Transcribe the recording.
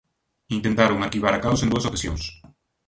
Intentaron arquivar a causa en dúas ocasións.